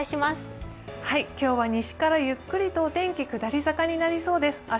今日は西からゆっくりとお天気下り坂になりそうです。